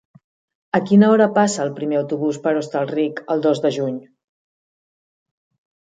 A quina hora passa el primer autobús per Hostalric el dos de juny?